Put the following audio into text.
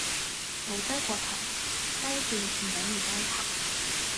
冇低過頭，低調唔等於低頭